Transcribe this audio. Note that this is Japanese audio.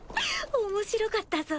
面白かったぞ。